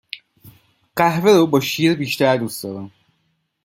قهوه رو با شیر بیشتر دوست دارم